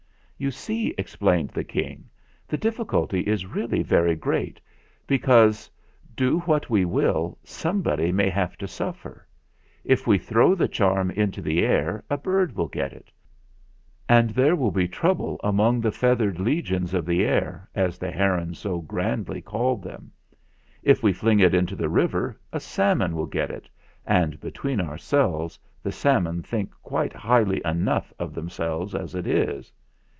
"You see," explained the King, "the diffi culty is really very great, because, do what we will, somebody may have to suffer. If we throw the charm into the air a bird will get it, and there will be trouble among 'the feathered 316 THE FLINT HEART legions of the air,' as the heron so grandly called them; if we fling it into the river a salmon will get it, and, between ourselves, the salmon think quite highly enough of them selves as it is.